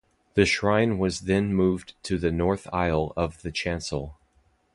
The shrine was then moved to the north aisle of the chancel.